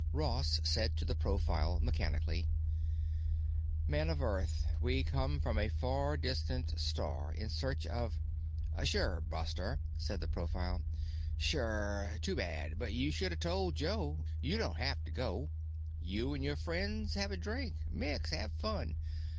Ross said to the profile mechanically: "Man of Earth, we come from a far distant star in search of——" "Sure, Buster," said the profile. "Sure. Too bad. But you should of told Joe. You don't have to go. You an' your friends have a drink. Mix. Have fun.